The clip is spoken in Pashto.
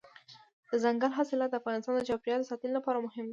دځنګل حاصلات د افغانستان د چاپیریال ساتنې لپاره مهم دي.